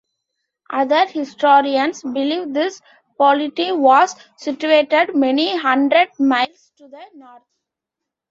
Other historians believe this polity was situated many hundred miles to the north.